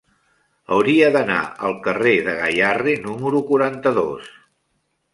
Hauria d'anar al carrer de Gayarre número quaranta-dos.